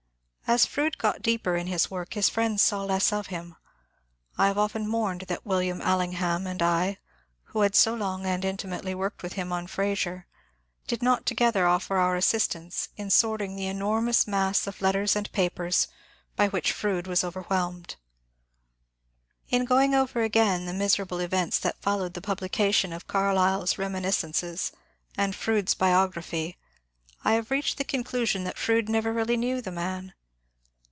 As Fronde got deeper in his work his friends saw less of him. I have often mourned that William Allingham and I, who had so long and intimately worked with him on ^^Fraser," did not together offer our assistance in assorting the enormous mass of letters and papers by which Fronde was overwhelmed. In going over again the miserable events that followed the publication of Carlyle's ^^ Reminiscences " and Froude*s bio graphy, I have reached the conclusion that Fronde never really knew the man.